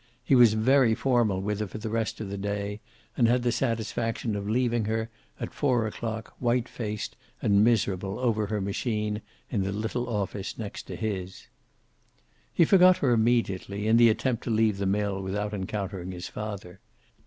He was very formal with her for the rest of the day, and had the satisfaction of leaving her, at four o'clock, white faced and miserable over her machine in the little office next to his. He forgot her immediately, in the attempt to leave the mill without encountering his father.